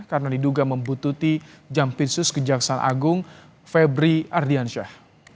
karena diduga membutuhkan jampinsus kejaksaan agung febri ardiansyah